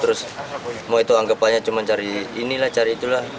terus mau itu anggapannya cuma cari ini lah cari itu lah